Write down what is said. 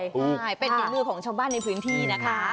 ใช่เป็นอินทฤพธิ์ของชมบ้านในพื้นที่นะคะ